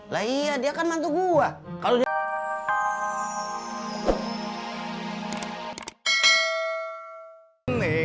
lah iya dia kan mantu gue